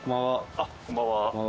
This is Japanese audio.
あっこんばんは。